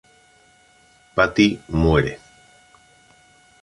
Patty muere.